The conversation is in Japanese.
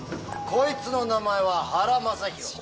こいつの名前は原昌宏。